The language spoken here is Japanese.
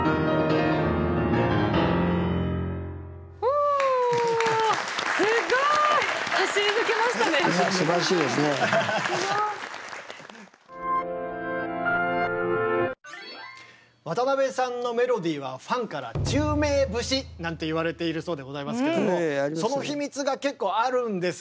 おぉすごい！渡辺さんのメロディーはファンからなんて言われているそうでございますけどもその秘密が結構あるんですよね。